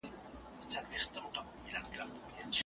دورکهايم به تل له احصائيې کار اخيست.